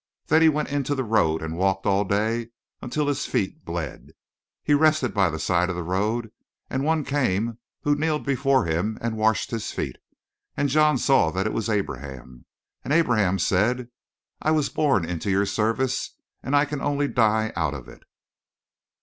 "Then he went into the road and walked all the day until his feet bled. He rested by the side of the road and one came who kneeled before him and washed his feet, and John saw that it was Abraham. And Abraham said: 'I was born into your service and I can only die out of it.'